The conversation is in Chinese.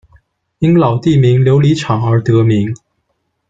因老地名“琉璃场”而得名。